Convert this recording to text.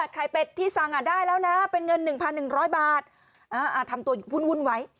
เป็ดที่สั่งได้แล้วนะเป็นเงิน๑๑๐๐บาททำตัววุ่นไว้